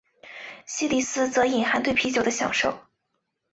西里斯则隐含对啤酒的享受。